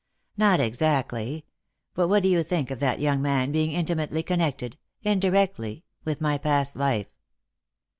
" Not exactly. But what do you think of that young man being intimately connected — indirectly — with my past life